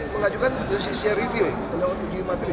mengajukan dosisya review kalau uji materi